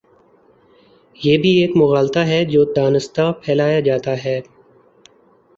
یہ بھی ایک مغالطہ ہے جو دانستہ پھیلایا جا تا ہے۔